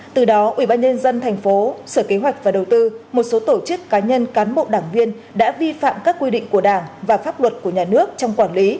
từ đó ubnd tp sở kế hoạch và đầu tư một số tổ chức cá nhân cán bộ đảng viên đã vi phạm các quy định của đảng và pháp luật của nhà nước trong quản lý